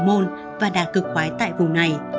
hậu môn và đạt cực quái tại vùng này